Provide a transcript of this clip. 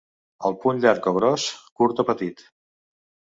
Un punt llarg o gros, curt o petit.